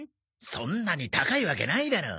そんなに高いわけないだろ。